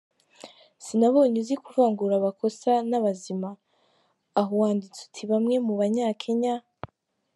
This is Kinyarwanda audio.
Sinabonye uzi kuvangura abakosa n’abazima, aho wanditse uti ‘ bamwe mu Banyakenya… ?